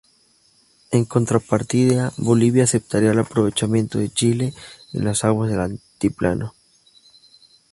En contrapartida Bolivia aceptaría el aprovechamiento de Chile de las aguas del Altiplano.